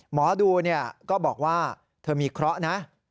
หมอดูก็บอกว่าเธอมีเคราะห์นะ